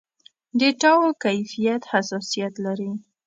ډېټاوو کيفيت حساسيت لري.